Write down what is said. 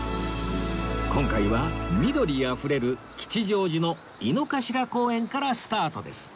今回は緑あふれる吉祥寺の井の頭公園からスタートです